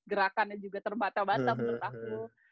gerakannya juga terbatal batal menurut aku